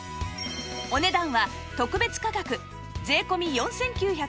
お値段は特別価格税込４９８０円